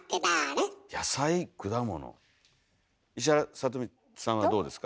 石原さとみさんはどうですか？